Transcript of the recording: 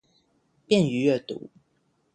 便于阅读